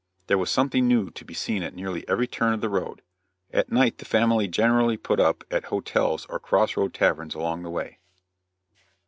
There was something new to be seen at nearly every turn of the road. At night the family generally "put up" at hotels or cross road taverns along the way.